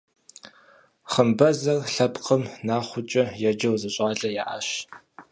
Хъымбэзэр лъэпкъым Нахъуэкӏэ еджэу зы щӏалэ яӏащ.